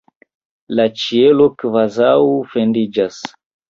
La ĉielo kvazaŭ fendiĝas!